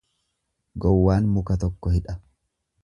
Gowwaan muka tokko hidha.